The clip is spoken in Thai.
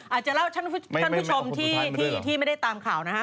อาจจะเล่าท่านผู้ชมที่ไม่ได้ตามข่าวนะฮะ